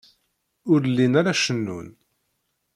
Ur llin ara cennun.